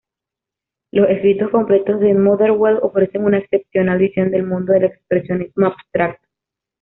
Los escritos completos de Motherwell ofrecen una excepcional visión del mundo del expresionismo abstracto.